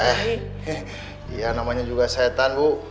iya namanya juga setan bu